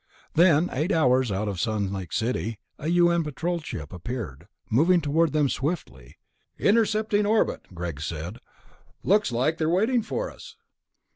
Then, eight hours out of Sun Lake City a U.N. Patrol ship appeared, moving toward them swiftly. "Intercepting orbit," Greg said. "Looks like they were waiting for us."